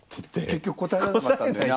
結局答えられなかったんだよね